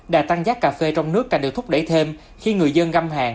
đà tăng giá cà phê trong nước càng được thúc đẩy thêm khi người dân găm hàng